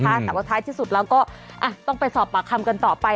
แต่ว่าท้ายที่สุดแล้วก็ต้องไปสอบปากคำกันต่อไป